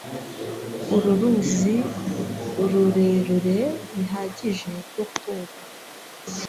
Uru ruzi rurerure bihagije rwo koga.